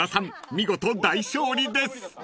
見事大勝利です］